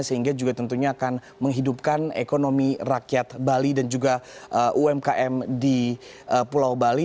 sehingga juga tentunya akan menghidupkan ekonomi rakyat bali dan juga umkm di pulau bali